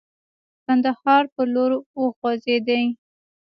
کندهار پر لور وخوځېدی.